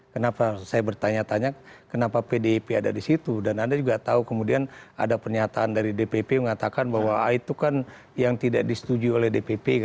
kenapa saya bertanya tanya kenapa pdip ada di situ dan anda juga tahu kemudian ada pernyataan dari dpp mengatakan bahwa itu kan yang tidak disetujui oleh dpp